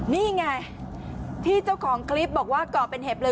นี่ไงที่เจ้าของคลิปบอกว่าก่อเป็นเหตุเลย